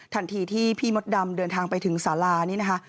ทันทีที่พี่มดดำเดินทางไปถึงสารานี่นะคะ